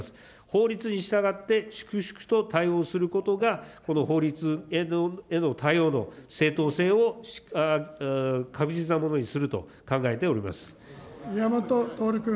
法律に従って粛々と対応することが、この法律への対応、正当性を確実なものにすると考えておりま宮本徹君。